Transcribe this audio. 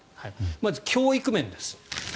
まず教育面です。